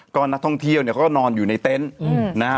ก็นักท่องเที่ยวเนี่ยเขาก็นอนอยู่ในเต็นต์นะฮะ